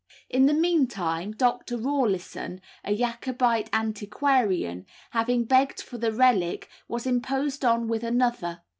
In the meanwhile Dr. Rawlinson, a Jacobite antiquarian, having begged for the relic, was imposed on with another.